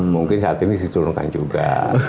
mungkin saat ini diturunkan juga